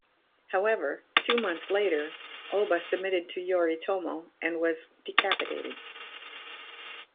However, two months later, Oba submitted to Yoritomo and was decapitated.